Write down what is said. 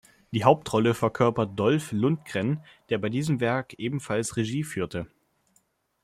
Die Hauptrolle verkörpert Dolph Lundgren, der bei diesem Werk ebenfalls Regie führte.